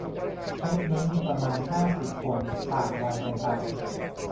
ทริปนี้มีประมาณ ห้าสิบ คน ต่างวัยกันไป